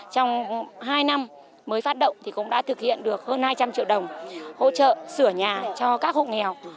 trong hai năm mới phát động thì cũng đã thực hiện được hơn hai trăm linh triệu đồng hỗ trợ sửa nhà cho các hộ nghèo